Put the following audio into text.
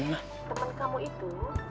temen kamu itu